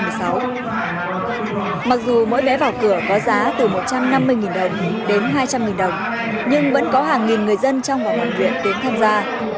mặc dù mỗi vé vào cửa có giá từ một trăm năm mươi đồng đến hai trăm linh đồng nhưng vẫn có hàng nghìn người dân trong và ngoài viện đến tham gia